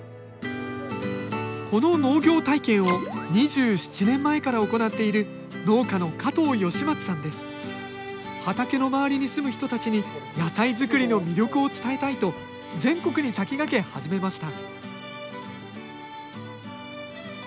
この農業体験を２７年前から行っている畑の周りに住む人たちに野菜作りの魅力を伝えたいと全国に先駆け始めました